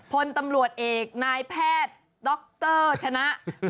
พลตำรวจเอกนายแพทย์ด็อกเตอร์ชนะ